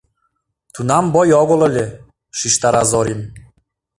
— Тунам бой огыл ыле, — шижтара Зорин.